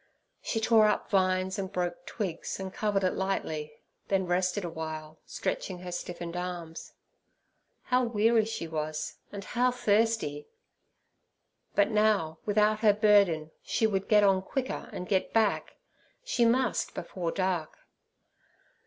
She tore up vines and broke twigs, and covered it lightly, then rested awhile, stretching her stiffened arms. How weary she was, and how thirsty! But now, without her burden, she would get on quicker and get back—she must before dark.